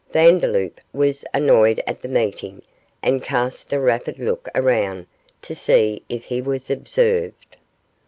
Vandeloup was annoyed at the meeting and cast a rapid look around to see if he was observed.